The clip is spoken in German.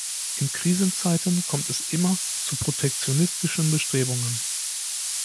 In Krisenzeiten kommt es immer zu protektionistischen Bestrebungen.